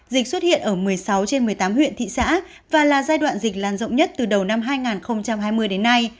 dịch xuất hiện ở một mươi sáu trên một mươi tám huyện thị xã và là giai đoạn dịch lan rộng nhất từ đầu năm hai nghìn hai mươi đến nay